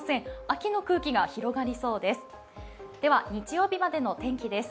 秋の空気が広がりそうです。